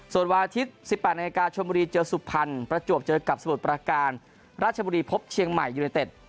ส่วนวาทิศ๑๘นันยากาชมบุรีเจอสุขพันธ์ประจวบเจอกับสมุทรประหการราชบุรีพบเชียงใหม่ยูนไตเต็ด